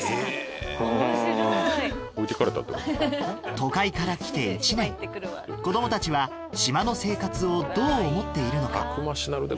都会から来て１年子どもたちは島の生活をどう思っているのか？